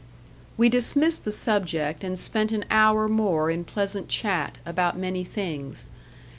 We dismissed the subject, and spent an hour more in pleasant chat, about many things.